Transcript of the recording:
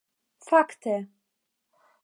fakte